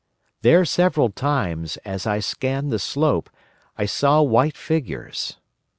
Three several times, as I scanned the slope, I saw white figures.